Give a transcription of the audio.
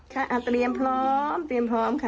เตรียมพร้อมเตรียมพร้อมค่ะ